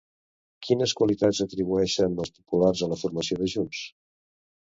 Quines qualitats atribueixen els populars a la formació de Junts?